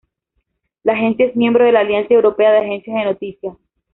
La agencia es miembro de la Alianza Europea de Agencias de Noticias.